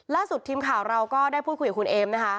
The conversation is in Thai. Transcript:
ทีมข่าวเราก็ได้พูดคุยกับคุณเอมนะคะ